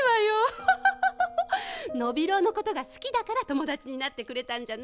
ノビローのことがすきだから友だちになってくれたんじゃない。